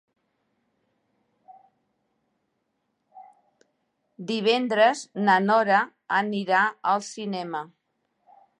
Divendres na Nora anirà al cinema.